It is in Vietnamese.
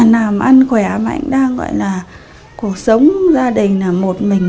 làm ăn khỏe mà anh đang gọi là cuộc sống gia đình là một mình